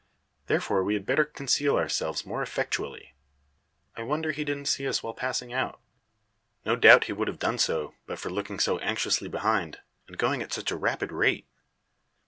Therefore we had better conceal ourselves more effectually. I wonder he didn't see us while passing out. No doubt he would have done so, but for looking so anxiously behind, and going at such a rapid rate.